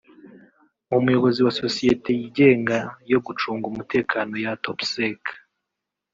umuyobozi wa sosiyeti yigenga yo gucunga umutekano ya Topsec